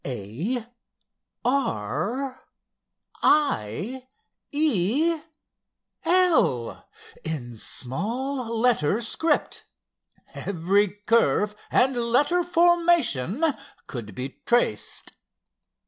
"A R I E L"—in small letter script; every curve and letter formation could be traced.